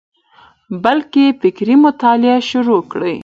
بلکي فکري مطالعه شروع کړه،